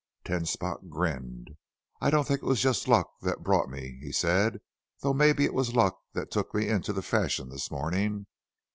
Ten Spot grinned. "I don't think it was just luck that brought me," he said; "though mebbe it was luck that took me into the Fashion this morning.